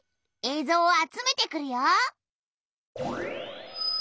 えいぞうを集めてくるよ。